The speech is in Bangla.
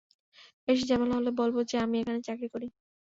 বেশি ঝামেলা হলে বলবো যে, আমি এখানে চাকরি করি।